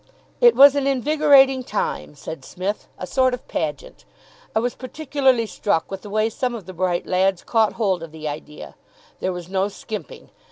"It was an invigorating time," said Psmith. "A sort of pageant. I was particularly struck with the way some of the bright lads caught hold of the idea. There was no skimping.